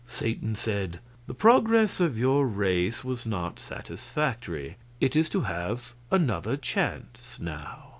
Satan said: "The progress of your race was not satisfactory. It is to have another chance now."